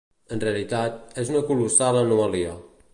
En realitat, és una colossal anomalia.